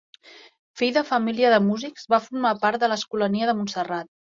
Fill de família de músics, va formar part de l'Escolania de Montserrat.